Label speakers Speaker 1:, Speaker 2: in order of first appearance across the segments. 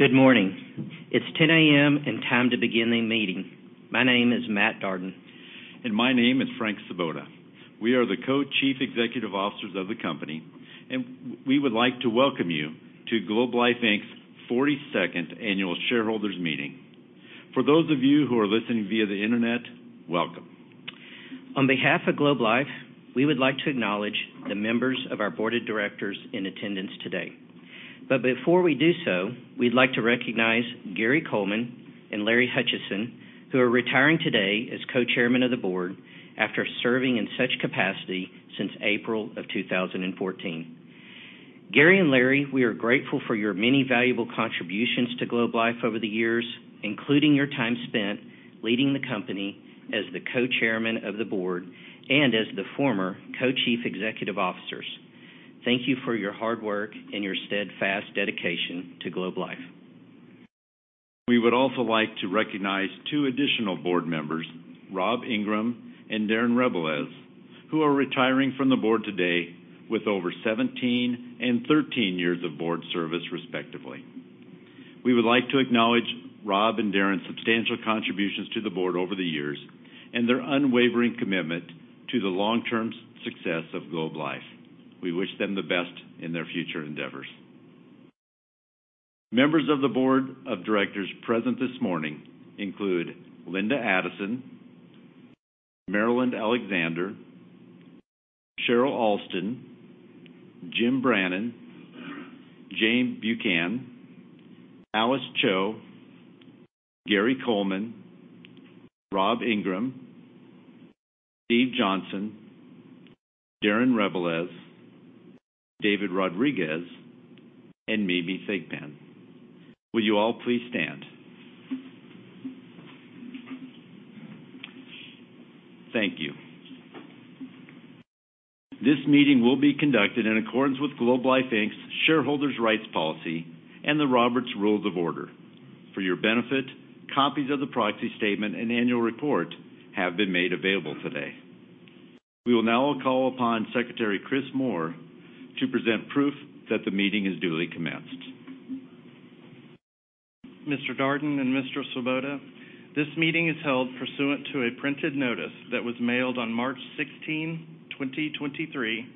Speaker 1: Good morning. It's 10:00 A.M. and time to begin the meeting. My name is Matt Darden.
Speaker 2: My name is Frank Svoboda. We are the Co-Chief Executive Officers of the company, and we would like to welcome you to Globe Life Inc.'s 42nd Annual Shareholders Meeting. For those of you who are listening via the internet, welcome.
Speaker 1: On behalf of Globe Life, we would like to acknowledge the members of our Board of Directors in attendance today. Before we do so, we'd like to recognize Gary Coleman and Larry Hutchison, who are retiring today as Co-Chairman of the Board after serving in such capacity since April 2014. Gary and Larry, we are grateful for your many valuable contributions to Globe Life over the years, including your time spent leading the company as the Co-Chairman of the Board and as the former Co-Chief Executive Officers. Thank you for your hard work and your steadfast dedication to Globe Life.
Speaker 2: We would also like to recognize two additional board members, Rob Ingram and Darren Rebelez, who are retiring from the board today with over 17 and 13 years of board service respectively. We would like to acknowledge Rob and Darrin's substantial contributions to the board over the years and their unwavering commitment to the long-term success of Globe Life. We wish them the best in their future endeavors. Members of the Board of Directors present this morning include Linda Addison, Marilyn Alexander, Cheryl Alston, Jim Brannan, Jane Buchan, Alice Cho, Gary Coleman, Rob Ingram, Steve Johnson, Darren Rebelez, David Rodriguez, and Mary Thigpen. Will you all please stand? Thank you. This meeting will be conducted in accordance with Globe Life Inc.'s Shareholders' Rights Policy and the Robert's Rules of Order. For your benefit, copies of the proxy statement and annual report have been made available today. We will now call upon Secretary Chris Moore to present proof that the meeting is duly commenced.
Speaker 3: Mr. Darden and Mr. Svoboda, this meeting is held pursuant to a printed notice that was mailed on March 16, 2023,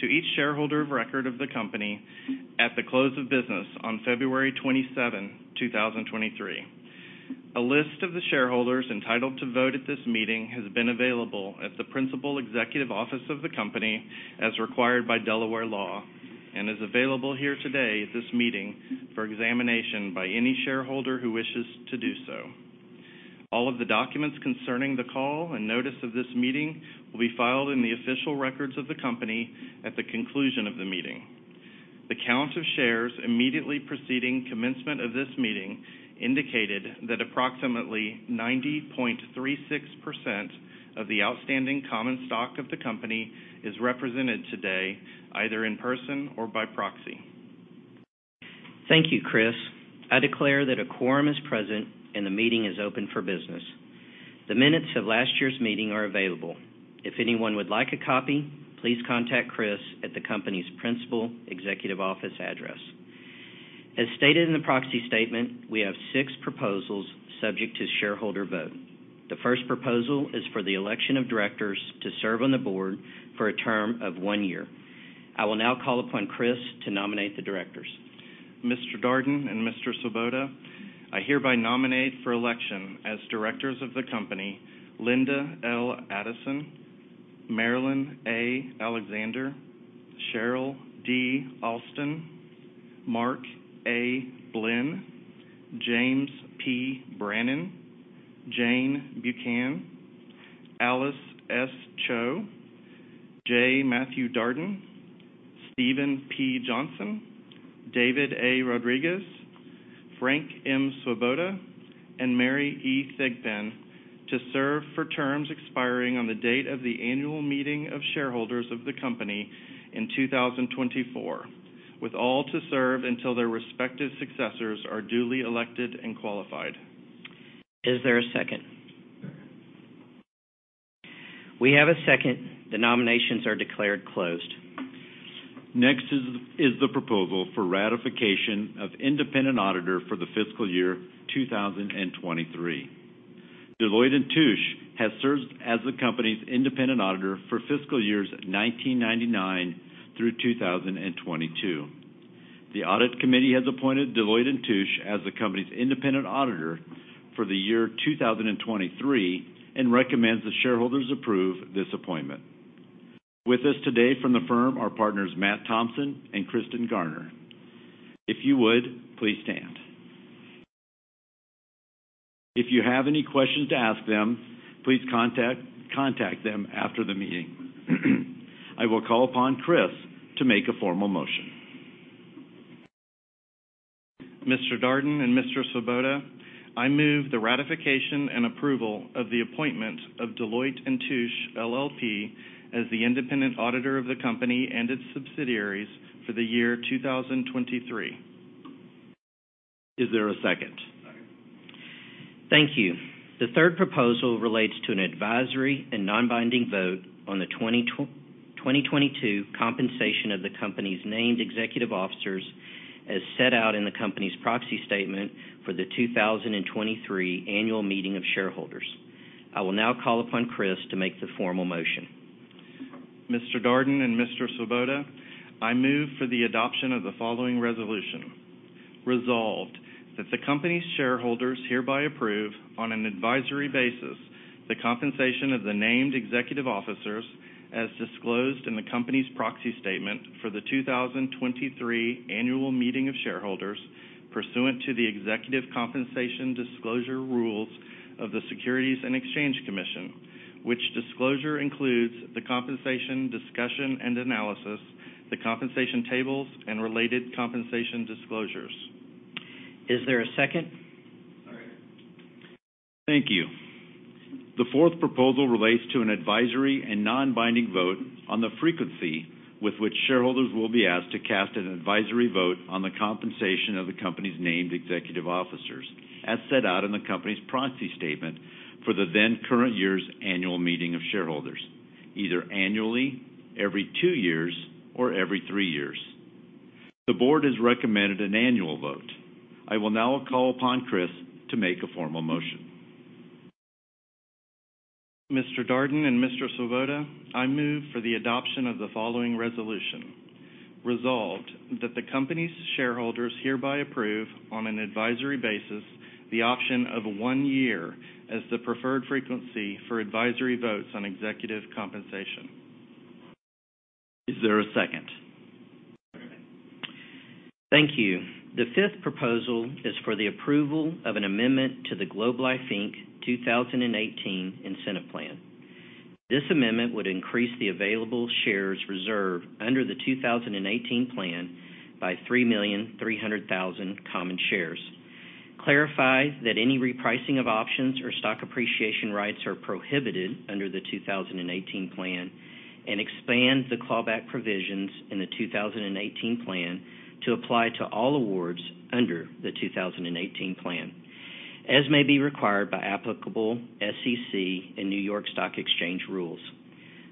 Speaker 3: to each shareholder of record of the company at the close of business on February 27, 2023. A list of the shareholders entitled to vote at this meeting has been available at the principal executive office of the company as required by Delaware law and is available here today at this meeting for examination by any shareholder who wishes to do so. All of the documents concerning the call and notice of this meeting will be filed in the official records of the company at the conclusion of the meeting. The count of shares immediately preceding commencement of this meeting indicated that approximately 90.36% of the outstanding common stock of the company is represented today, either in person or by proxy.
Speaker 1: Thank you, Chris. I declare that a quorum is present, and the meeting is open for business. The minutes of last year's meeting are available. If anyone would like a copy, please contact Chris at the company's principal executive office address. As stated in the proxy statement, we have six proposals subject to shareholder vote. The first proposal is for the election of directors to serve on the board for a term of one year. I will now call upon Chris to nominate the directors.
Speaker 3: Mr. Darden and Mr. Svoboda, I hereby nominate for election as directors of the company, Linda L. Addison, Marilyn A. Alexander, Cheryl D. Alston, Mark A. Blinn, James P. Brannan, Jane Buchan, Alice S. Cho, J. Matthew Darden, Steven P. Johnson, David A. Rodriguez, Frank M. Svoboda, and Mary E. Thigpen to serve for terms expiring on the date of the annual meeting of shareholders of the company in 2024, with all to serve until their respective successors are duly elected and qualified.
Speaker 1: Is there a second?
Speaker 4: Second.
Speaker 1: We have a second. The nominations are declared closed.
Speaker 2: Next is the proposal for ratification of independent auditor for the fiscal year 2023. Deloitte & Touche has served as the company's independent auditor for fiscal years 1999 through 2022. The audit committee has appointed Deloitte & Touche as the company's independent auditor for the year 2023 and recommends the shareholders approve this appointment. With us today from the firm are partners Matt Thompson and Kristen Garner. If you would, please stand. If you have any questions to ask them, please contact them after the meeting. I will call upon Chris to make a formal motion.
Speaker 3: Mr. Darden and Mr. Svoboda, I move the ratification and approval of the appointment of Deloitte & Touche LLP as the independent auditor of the company and its subsidiaries for the year 2023.
Speaker 2: Is there a second? Thank you. The third proposal relates to an advisory and non-binding vote on the 2022 compensation of the company's named executive officers as set out in the company's proxy statement for the 2023 annual meeting of shareholders. I will now call upon Chris to make the formal motion.
Speaker 3: Mr. Darden and Mr. Svoboda, I move for the adoption of the following resolution. Resolved that the company's shareholders hereby approve, on an advisory basis, the compensation of the named executive officers as disclosed in the company's proxy statement for the 2023 annual meeting of shareholders pursuant to the executive compensation disclosure rules of the Securities and Exchange Commission, which disclosure includes the compensation discussion and analysis, the compensation tables, and related compensation disclosures.
Speaker 2: Is there a second? Second. Thank you. The fourth proposal relates to an advisory and non-binding vote on the frequency with which shareholders will be asked to cast an advisory vote on the compensation of the company's named executive officers, as set out in the company's proxy statement for the then current year's annual meeting of shareholders, either annually, every two years, or every three years. The board has recommended an annual vote. I will now call upon Chris to make a formal motion.
Speaker 3: Mr. Darden and Mr. Svoboda, I move for the adoption of the following resolution. Resolved that the company's shareholders hereby approve, on an advisory basis, the option of one year as the preferred frequency for advisory votes on executive compensation.
Speaker 2: Is there a second? Second. Thank you. The fifth proposal is for the approval of an amendment to the Globe Life Inc. 2018 Incentive Plan. This amendment would increase the available shares reserved under the 2018 plan by 3,300,000 common shares, clarify that any repricing of options or stock appreciation rights are prohibited under the 2018 plan, and expand the clawback provisions in the 2018 plan to apply to all awards under the 2018 plan, as may be required by applicable SEC and New York Stock Exchange rules.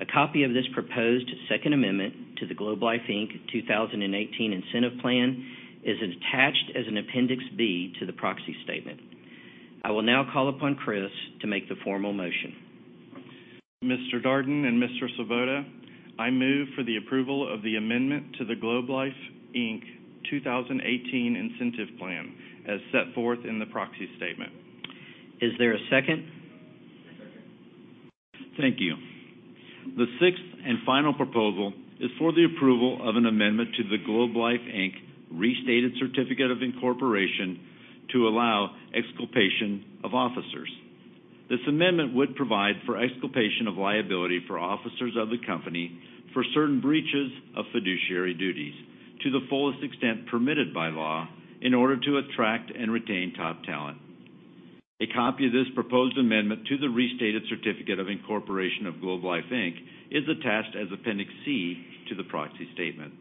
Speaker 2: A copy of this proposed second amendment to the Globe Life Inc. 2018 Incentive Plan is attached as an appendix B to the proxy statement. I will now call upon Chris to make the formal motion.
Speaker 3: Mr. Darden and Mr. Svoboda, I move for the approval of the amendment to the Globe Life Inc. 2018 Incentive Plan as set forth in the proxy statement.
Speaker 2: Is there a second? I second. Thank you. The sixth and final proposal is for the approval of an amendment to the Globe Life Inc. restated certificate of incorporation to allow exculpation of officers. This amendment would provide for exculpation of liability for officers of the company for certain breaches of fiduciary duties to the fullest extent permitted by law in order to attract and retain top talent. A copy of this proposed amendment to the restated certificate of incorporation of Globe Life Inc. is attached as appendix C to the proxy statement.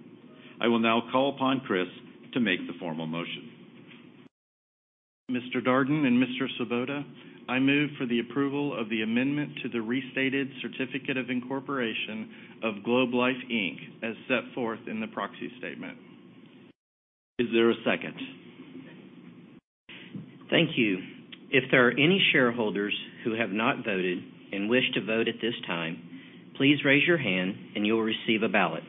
Speaker 2: I will now call upon Chris to make the formal motion.
Speaker 3: Mr. Darden and Mr. Svoboda, I move for the approval of the amendment to the restated certificate of incorporation of Globe Life Inc. as set forth in the proxy statement.
Speaker 2: Is there a second? Second. Thank you. If there are any shareholders who have not voted and wish to vote at this time, please raise your hand and you will receive a ballot.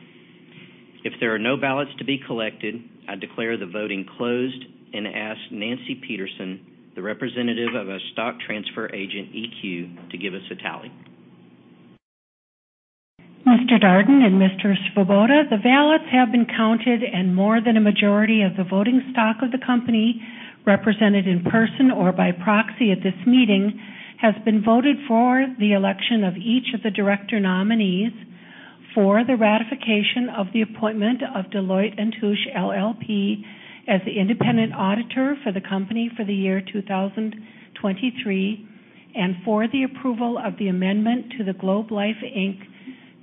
Speaker 2: If there are no ballots to be collected, I declare the voting closed and ask Nancy Peterson, the representative of our stock transfer agent, EQ, to give us a tally.
Speaker 5: Mr. Darden and Mr. Svoboda, the ballots have been counted and more than a majority of the voting stock of the company represented in person or by proxy at this meeting has been voted for the election of each of the director nominees for the ratification of the appointment of Deloitte & Touche LLP as the independent auditor for the company for the year 2023 and for the approval of the amendment to the Globe Life Inc.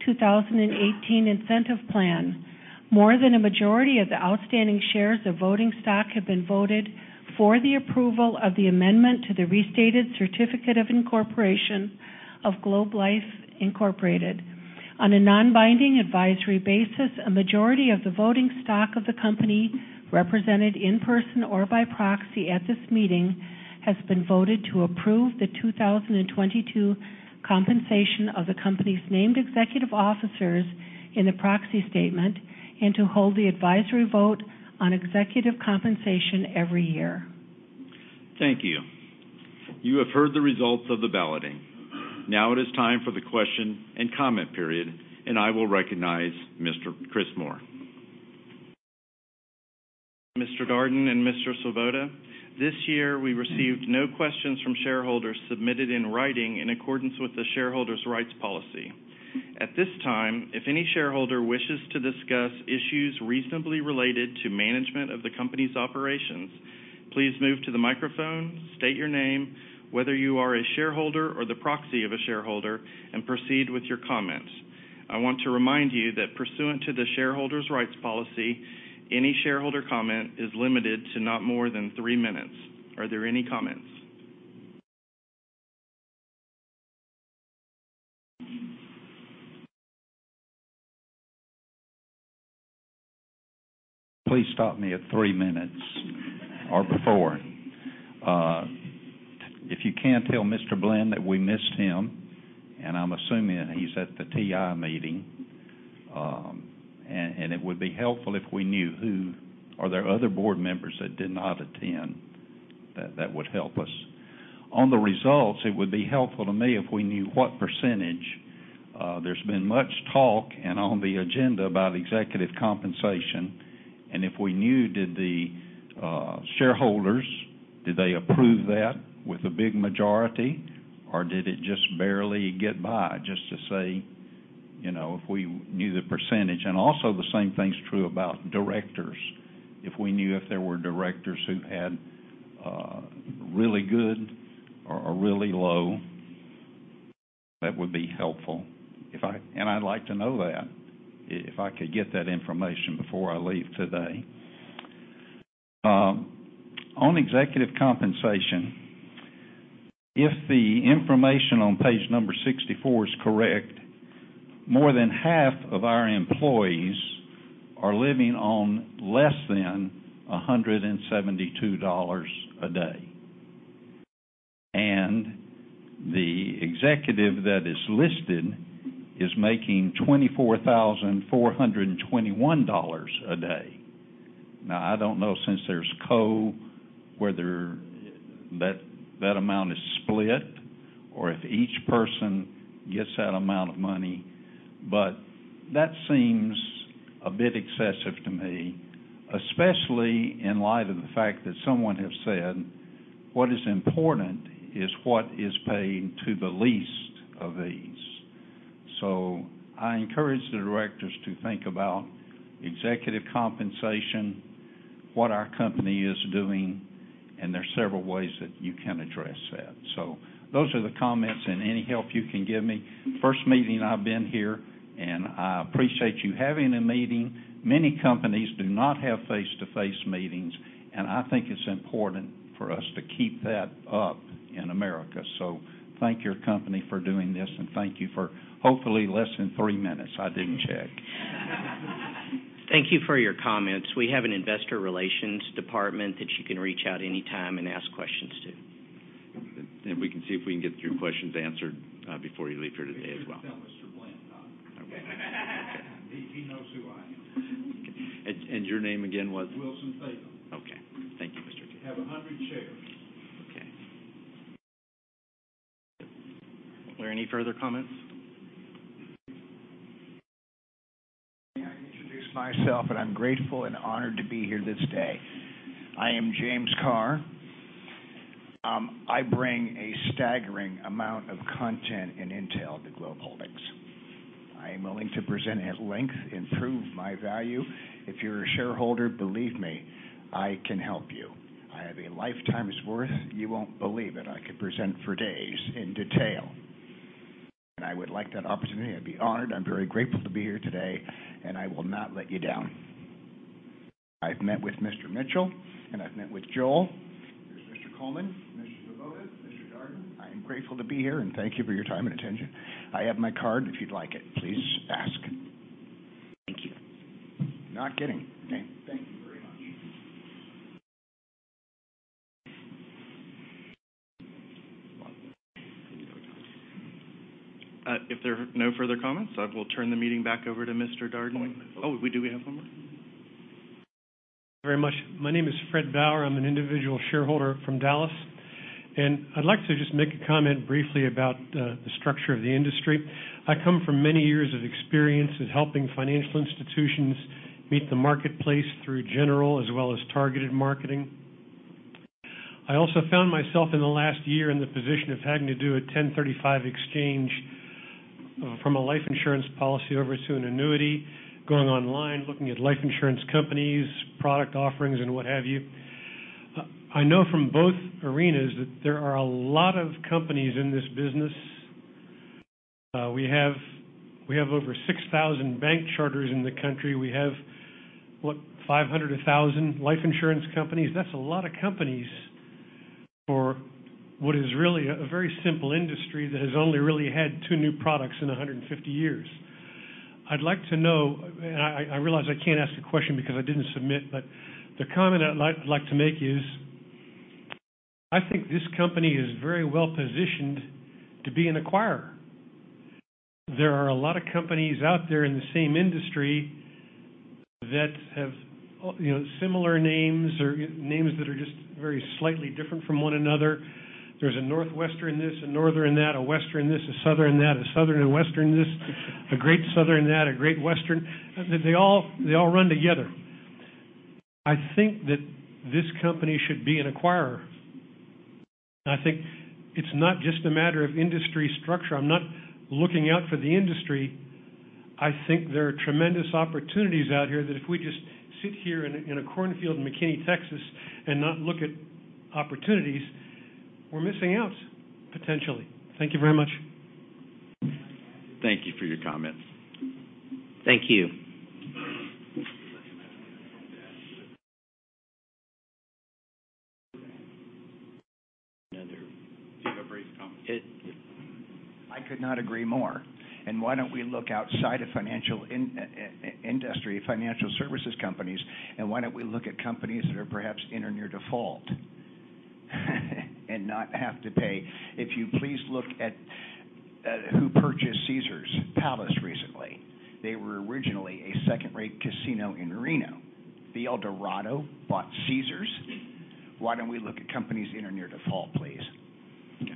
Speaker 5: 2018 Incentive Plan. More than a majority of the outstanding shares of voting stock have been voted for the approval of the amendment to the restated certificate of incorporation of Globe Life Inc.. On a non-binding advisory basis, a majority of the voting stock of the company represented in person or by proxy at this meeting has been voted to approve the 2022 compensation of the company's named executive officers in the proxy statement and to hold the advisory vote on executive compensation every year.
Speaker 2: Thank you. You have heard the results of the balloting. Now it is time for the question and comment period. I will recognize Mr. Chris Moore.
Speaker 3: Mr. Darden and Mr. Svoboda, this year we received no questions from shareholders submitted in writing in accordance with the Shareholders' Rights Policy. At this time, if any shareholder wishes to discuss issues reasonably related to management of the company's operations, please move to the microphone, state your name, whether you are a shareholder or the proxy of a shareholder, and proceed with your comments. I want to remind you that pursuant to the Shareholders' Rights Policy, any shareholder comment is limited to not more than three minutes. Are there any comments?
Speaker 4: Please stop me at three minutes or before. If you can, tell Mr. Glenn that we missed him, and I'm assuming he's at the TI meeting. It would be helpful if we knew. Are there other board members that did not attend? That would help us. On the results, it would be helpful to me if we knew what percentage. There's been much talk and on the agenda about executive compensation, and if we knew, did the shareholders approve that with a big majority, or did it just barely get by? Just to see if we knew the percentage. Also the same thing's true about directors. If we knew if there were directors who had really good or really low, that would be helpful. I'd like to know that, if I could get that information before I leave today. On executive compensation, if the information on page number 64 is correct, more than half of our employees are living on less than $172 a day. The executive that is listed is making $24,421 a day. Now, I don't know, since there's whether that amount is split or if each person gets that amount of money, but that seems a bit excessive to me, especially in light of the fact that someone has said what is important is what is paid to the least of these. I encourage the directors to think about executive compensation, what our company is doing, and there's several ways that you can address that. Those are the comments and any help you can give me. First meeting I've been here, and I appreciate you having a meeting. Many companies do not have face-to-face meetings, and I think it's important for us to keep that up in America. Thank your company for doing this, and thank you for hopefully less than three minutes. I didn't check.
Speaker 1: Thank you for your comments. We have an investor relations department that you can reach out anytime and ask questions to.
Speaker 3: We can see if we can get your questions answered before you leave here today as well.
Speaker 4: You can tell Mr. Glenn that.
Speaker 1: I will.
Speaker 4: He knows who I am.
Speaker 1: Okay. Your name again was?
Speaker 4: Wilson Fagan.
Speaker 1: Okay. Thank you, Mr. Fagan.
Speaker 4: I have 100 shares.
Speaker 1: Okay. Are there any further comments?
Speaker 4: May I introduce myself, and I'm grateful and honored to be here this day. I am James Carr. I bring a staggering amount of content and intel to Globe Holdings. I am willing to present at length and prove my value. If you're a shareholder, believe me, I can help you. I have a lifetime's worth. You won't believe it. I could present for days in detail. I would like that opportunity. I'd be honored. I'm very grateful to be here today, I will not let you down. I've met with Mr. Mitchell, and I've met with Joel. There's Mr. Coleman, Mr. Svoboda, Mr. Darden. I am grateful to be here, thank you for your time and attention. I have my card if you'd like it. Please ask. Thank you. Not kidding. Okay.
Speaker 3: Thank you very much. If there are no further comments, I will turn the meeting back over to Mr. Darden. Oh, we do have one more.
Speaker 4: Very much. My name is Fred Bauer. I'm an individual shareholder from Dallas. I'd like to just make a comment briefly about the structure of the industry. I come from many years of experience in helping financial institutions meet the marketplace through general as well as targeted marketing. I also found myself in the last year in the position of having to do a 1035 exchange from a life insurance policy over to an annuity, going online, looking at life insurance companies, product offerings, and what have you. I know from both arenas that there are a lot of companies in this business. We have over 6,000 bank charters in the country. We have, what, 500 to 1,000 life insurance companies. That's a lot of companies for what is really a very simple industry that has only really had two new products in 150 years. I'd like to know, and I realize I can't ask a question because I didn't submit, but the comment I'd like to make is I think this company is very well-positioned to be an acquirer. There are a lot of companies out there in the same industry that have similar names or names that are just very slightly different from one another. There's a Northwestern this, a Northern that, a Western this, a Southern that, a Southern and Western this, a Great Southern that, a Great Western. They all run together. I think that this company should be an acquirer. I think it's not just a matter of industry structure. I'm not looking out for the industry. I think there are tremendous opportunities out here that if we just sit here in a cornfield in McKinney, Texas, and not look at opportunities, we're missing out potentially. Thank you very much.
Speaker 3: Thank you for your comments.
Speaker 1: Thank you.
Speaker 3: Another brief comment.
Speaker 4: I could not agree more. Why don't we look outside of financial industry, financial services companies, and why don't we look at companies that are perhaps in or near default and not have to pay? If you please look at who purchased Caesars Palace recently. They were originally a second-rate casino in Reno. The Eldorado bought Caesars. Why don't we look at companies in or near default, please?
Speaker 1: Okay.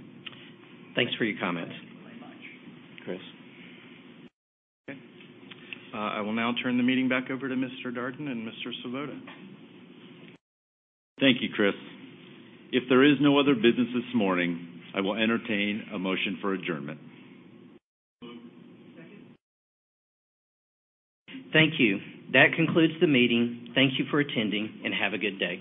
Speaker 1: Thanks for your comment.
Speaker 4: Thank you very much.
Speaker 3: Chris. Okay. I will now turn the meeting back over to Mr. Darden and Mr. Svoboda.
Speaker 2: Thank you, Chris. If there is no other business this morning, I will entertain a motion for adjournment.
Speaker 4: Moved. Second.
Speaker 1: Thank you. That concludes the meeting. Thank you for attending, and have a good day.